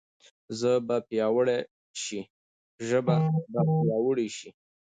ژبه به پیاوړې شي.